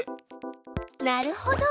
なるほど！